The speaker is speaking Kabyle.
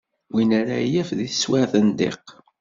Win ara yaf deg teswiɛt n ddiq.